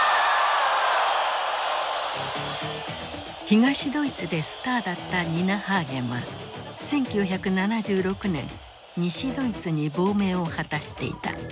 東ドイツでスターだったニナ・ハーゲンは１９７６年西ドイツに亡命を果たしていた。